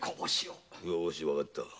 よしわかった。